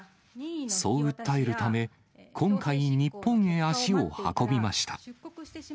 そう訴えるため、今回、日本へ足を運びました。